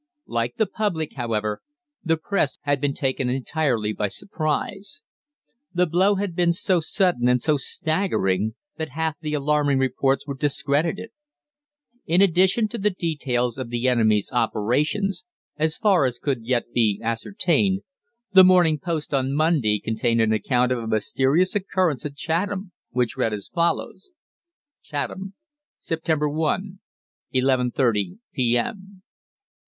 Like the public, however, the Press had been taken entirely by surprise. The blow had been so sudden and so staggering that half the alarming reports were discredited. In addition to the details of the enemy's operations, as far as could as yet be ascertained, the "Morning Post" on Monday contained an account of a mysterious occurrence at Chatham, which read as follows: "CHATHAM, Sept. 1 (11.30 P.M.).